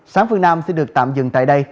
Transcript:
sáng phương nam sẽ được tạm dừng tại đây